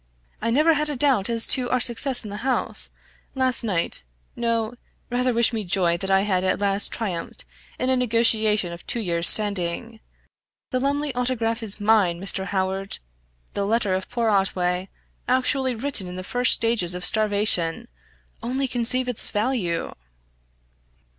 "I never had a doubt as to our success in the house, last night no; rather wish me joy that I have at last triumphed in a negotiation of two years standing. The Lumley Autograph is mine, Mr. Howard! The letter of poor Otway, actually written in the first stages of starvation only conceive its value!"